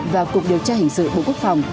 và cục điều tra hình sự bộ quốc phòng